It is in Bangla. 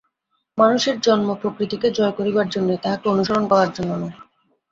মানুষের জন্ম প্রকৃতিকে জয় করিবার জন্যই, তাহাকে অনুসরণ করার জন্য নয়।